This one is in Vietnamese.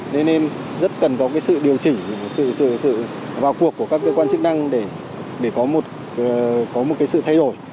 nên rất cần có cái sự điều chỉnh sự vào cuộc của các cơ quan chức năng để có một cái sự thay đổi